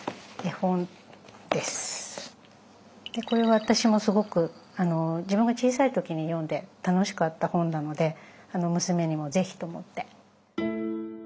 これは私もすごく自分が小さい時に読んで楽しかった本なので娘にも是非と思って。